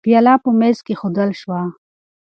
پیاله په مېز کې کېښودل شوه.